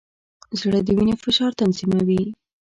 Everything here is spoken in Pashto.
زړه د وینې فشار تنظیموي.